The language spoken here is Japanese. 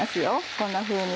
こんなふうに。